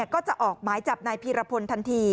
ก็จะออกหมายจับนายพีรพลทันที